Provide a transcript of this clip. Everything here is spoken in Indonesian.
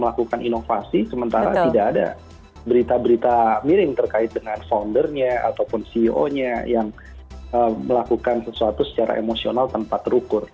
melakukan inovasi sementara tidak ada berita berita miring terkait dengan foundernya ataupun ceo nya yang melakukan sesuatu secara emosional tanpa terukur